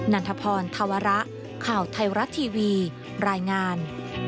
ันทพรธวระข่าวไทยรัฐทีวีรายงาน